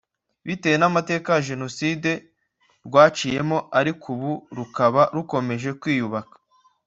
bitewe n’amateka ya Jenoside rwaciyemo ariko ubu rukaba rukomeje kwiyubaka